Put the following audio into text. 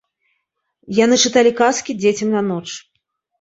Яны чыталі казкі дзецям на ноч.